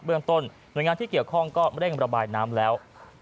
เรื่องต้นหน่วยงานที่เกี่ยวข้องก็เร่งระบายน้ำแล้ว